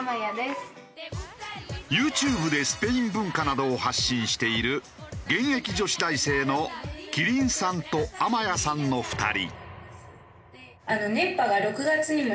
ＹｏｕＴｕｂｅでスペイン文化などを発信している現役女子大生のきりんさんとあまやさんの２人。